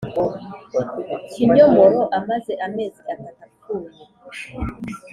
kinyomoro amaze amezi atatu apfuye